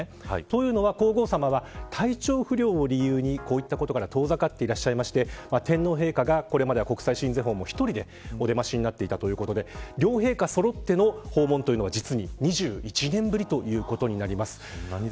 というのも皇后さまは体調不良を理由にこういうことから遠ざかっていまして天皇陛下が、これまで国際親善は１人でお出ましになっていたということで両陛下そろっての訪問は実に２１年ぶりとなります。